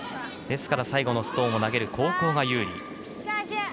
ですから最後のストーンを投げる後攻が有利。